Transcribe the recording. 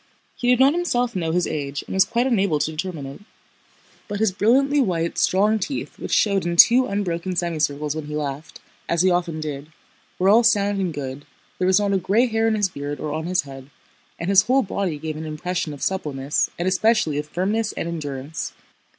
He did not himself know his age and was quite unable to determine it. But his brilliantly white, strong teeth which showed in two unbroken semicircles when he laughed—as he often did—were all sound and good, there was not a gray hair in his beard or on his head, and his whole body gave an impression of suppleness and especially of firmness and endurance.